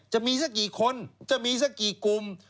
จะมีสักกี่คนจะมีสักกี่กลุ่ม